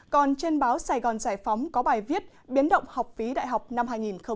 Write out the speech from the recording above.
còn trên báo sài gòn giải phóng có bài viết biến động học phí đại học năm hai nghìn hai mươi